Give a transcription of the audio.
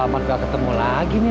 amat gak ketemu lagi nih